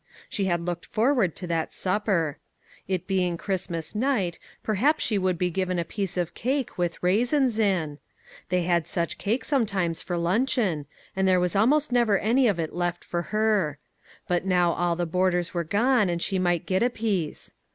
She had looked forward to that supper. It being Christmas night, perhaps she would be given a piece of cake, with raisins in. They had such cake sometimes for luncheon, and there was almost never any of it left for her; but now all the boarders were gone, and she might get a piece.